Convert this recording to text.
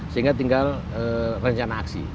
sehingga tinggal rencana aksi